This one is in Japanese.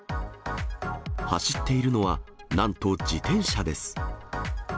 走っているのは、なんと自転車です。